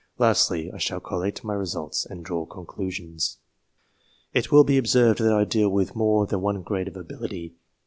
Lastly, I shall collate my results, and draw conclusions^ It will be observed that I deal with more than one grade of ability.